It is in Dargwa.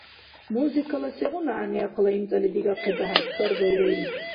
— Музыкала сегъуна гӀягӀниахъала имцӀали дигахъида хӀед? – хьарбаира илизи.